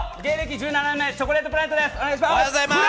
芸歴１７年目、チョコレートプラネットです！